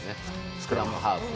スクラムハーフ。